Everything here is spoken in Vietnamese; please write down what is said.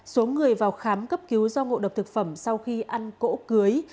số người vào khám cấp cứu do ngộ độc thực phẩm sau khi ăn cỗ cưới